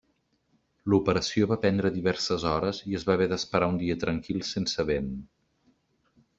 L'operació va prendre diverses hores i es va haver d'esperar un dia tranquil sense vent.